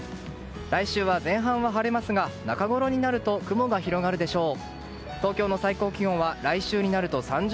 来週は前半は晴れますが中ごろになると雲が広がるでしょう。